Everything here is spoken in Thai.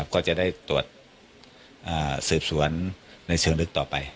ก็จะได้ตรวจสืบสวนในเชิงลึกต่อไป